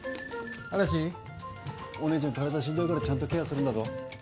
嵐、お姉ちゃん体しんどいからちゃんとケアするんだぞ。